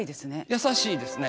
優しいですね。